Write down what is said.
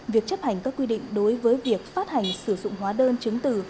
việc chấp hành các quy định đối với việc phát hành sử dụng hóa đơn chứng từ